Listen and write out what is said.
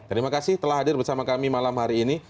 terima kasih telah hadir bersama kami malam hari ini